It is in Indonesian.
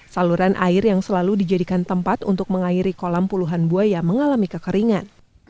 saluran air yang selalu dijadikan tempat untuk mengairi kolam puluhan buaya mengalami kekeringan